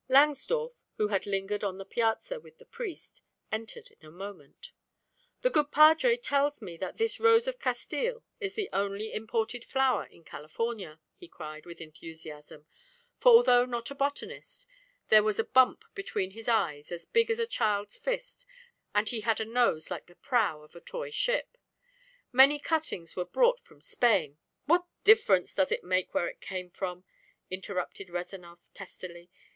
Langsdorff, who had lingered on the piazza with the priest, entered in a moment. "The good padre tells me that this rose of Castile is the only imported flower in California," he cried, with enthusiasm, for although not a botanist, there was a bump between his eyes as big as a child's fist and he had a nose like the prow of a toy ship. "Many cuttings were brought from Spain " "What difference does it make where it came from?" interrupted Rezanov testily.